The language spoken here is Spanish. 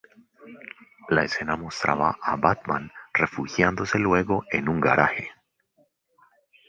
La escena mostraba a Batman refugiándose luego en un garage.